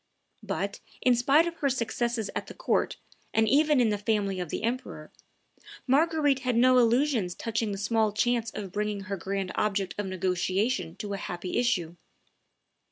But, in spite of her successes at the court, and even in the family of the emperor, Marguerite had no illusions touching the small chance of bringing her grand object of negotiation to a happy issue.